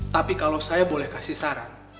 tapi kalau saya boleh kasih saran